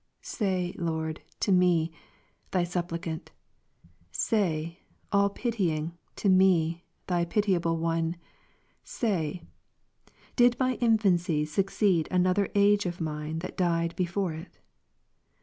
Say, Lord, to me. Thy suppliant; say. All pitying, to me. Thy pitiable one; say, didmy infancy succeed another age of mine that died before it